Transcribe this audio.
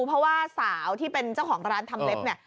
เพราะว่าสาวที่เป็นเจ้าของร้านทำเล็บเนี่ย